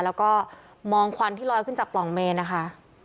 แล้วก็มองควันที่ลอยขึ้นจากปล่องเมนนะคะ